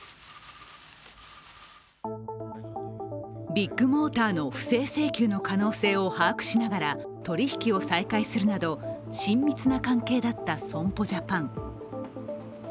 ビッグモーターの不正請求の可能性を把握しながら、取り引きを再開するなど、親密な関係だった損保ジャパン。